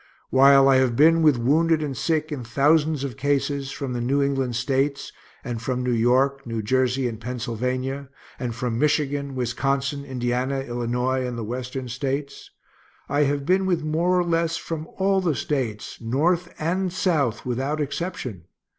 While I have been with wounded and sick in thousands of cases from the New England States, and from New York, New Jersey, and Pennsylvania, and from Michigan, Wisconsin, Indiana, Illinois, and the Western States, I have been with more or less from all the States North and South, without exception.